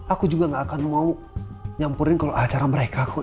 aku juga gak akan mau nyampurin kalau acara mereka kok